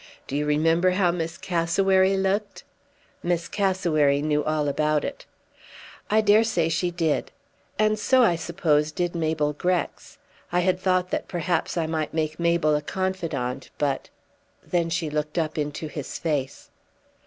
Do you remember how Miss Cassewary looked?" "Miss Cassewary knew all about it." "I daresay she did. And so I suppose did Mabel Grex. I had thought that perhaps I might make Mabel a confidante, but " Then she looked up into his face.